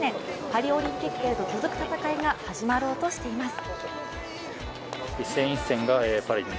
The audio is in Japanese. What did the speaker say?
パリオリンピックへと続く戦いが始まろうとしています。